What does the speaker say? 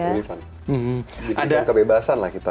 lebih fun jadi lebih kebebasan lah kita